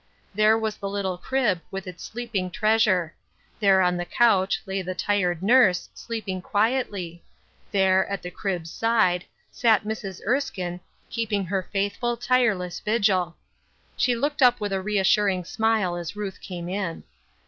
There was the little crib, with its sleeping treasure ; there on the couch, lay the tired nurse, sleeping quietly ; there, at the crib's side, sat Mrs. Erskine, keep ing her faithful, tireless vigil. She looked up with a reassuring smile as Ruth came in.